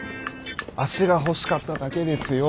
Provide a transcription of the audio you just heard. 足が欲しかっただけですよ。